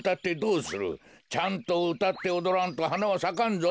ちゃんとうたっておどらんとはなはさかんぞ。